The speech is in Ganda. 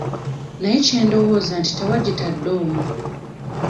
Naye kye ndowooza nti tewagitadde omwo.